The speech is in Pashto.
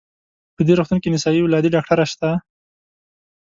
په دې روغتون کې نسایي ولادي ډاکټره شته؟